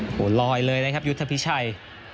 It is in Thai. โอ้โหลอยเลยนะครับยุทธพิชัย